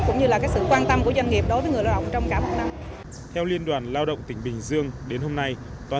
cũng như là cái sự quan tâm của doanh nghiệp đối với người lao động trong cả một năm